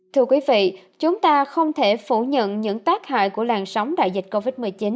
thưa quý vị chúng ta không thể phủ nhận những tác hại của làn sóng đại dịch covid một mươi chín